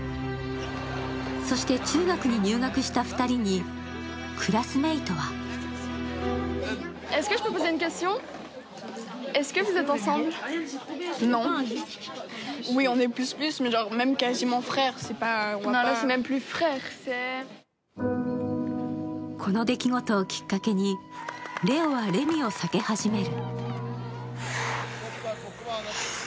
そして、中学に入学した２人にクラスメートはこの出来事をきっかけにレオはレミを避け始める。